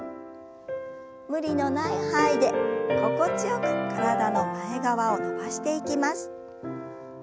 無理のない範囲で心地よく体の前側を伸ばしていきます。